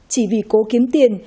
chỉ vì cố kiếm tiền